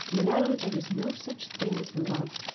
Manella, there is no such thing as love!